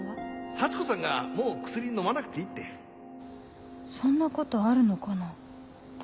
幸子さんがもう薬飲まなくていいってそんなことあるのかな？